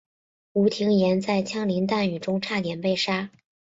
吴廷琰在枪林弹雨中差点被杀。